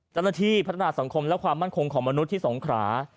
จรฐฐีพัฒนาสังคมและความมั่งคงของมนุษย์ที่สงขรา